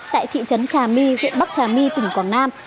tại thị trấn trà my huyện bắc trà my tỉnh quảng nam